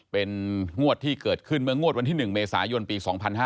เป็นงวดที่เกิดขึ้นเมื่องวดวันที่๑เมษายนปี๒๕๕๙